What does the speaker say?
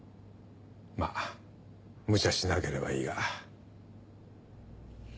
まぁムチャしなければいいが。